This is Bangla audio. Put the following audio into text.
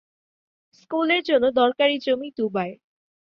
স্কুলের জন্য দরকারী জমি দুবায়ের।